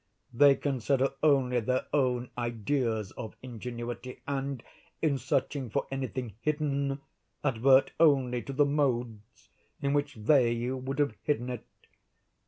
They consider only their own ideas of ingenuity; and, in searching for anything hidden, advert only to the modes in which they would have hidden it.